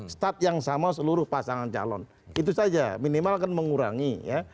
start yang sama seluruh pasangan calon itu saja minimal kan mengurangi ya